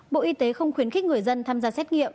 bộ y tế không khuyến khích người dân tham gia xét nghiệm